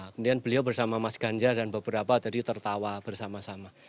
kemudian beliau bersama mas ganjar dan beberapa tadi tertawa bersama sama